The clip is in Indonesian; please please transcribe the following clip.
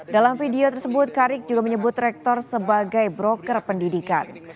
dalam video tersebut karik juga menyebut rektor sebagai broker pendidikan